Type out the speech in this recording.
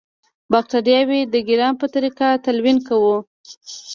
باکټریاوې د ګرام په طریقه تلوین کوو.